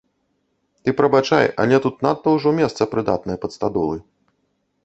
Ты прабачай, але тут надта ўжо месца прыдатнае пад стадолы.